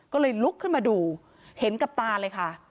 ก็เลยลุกขึ้นมาดูเห็นกับตาเลยค่ะ